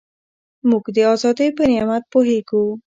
موږ د ازادۍ په نعمت پوهېږو.